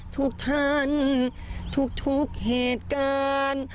ทุกท่านทุกเหตุการณ์